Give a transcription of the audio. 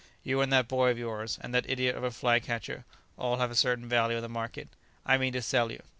You and that boy of yours, and that idiot of a fly catcher, all have a certain value in the market. I mean to sell you."